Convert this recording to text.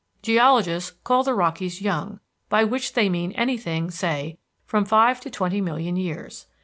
Geologists call the Rockies young, by which they mean anything, say, from five to twenty million years.